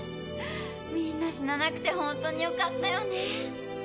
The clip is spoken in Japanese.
皆死ななくてホントによかったよね。